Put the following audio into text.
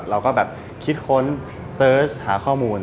เราก็แบบคิดค้นเสิร์ชหาข้อมูล